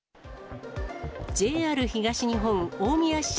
ＪＲ東日本大宮支社